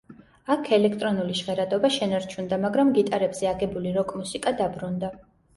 აქ ელექტრონული ჟღერადობა შენარჩუნდა, მაგრამ გიტარებზე აგებული როკ-მუსიკა დაბრუნდა.